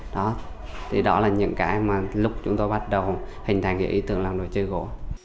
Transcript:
đó thì đó là những cái mà lúc chúng tôi bắt đầu hình thành cái ý tưởng làm đồ chơi gỗ